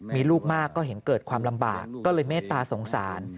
มีลูกมากก็เห็นเกิดความลำบากก็เลยเมตตาสงสาร